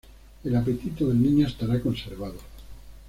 El apetito del niño estará conservado.